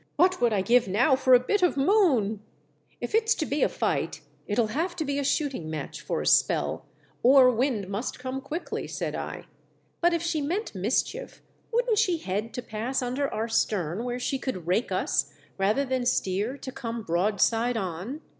'"' What would I give now for a bit of moon !"" If it's to be a fis^ht it'll have to be a shooting match for a spell, or wind m.ust come quickly," said I. " But if she meant mischief wouldn't she head to pass under our stern, where she could rake us, rather than steer to come broadside on